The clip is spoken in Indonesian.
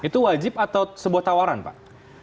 itu wajib atau sebuah tawaran pak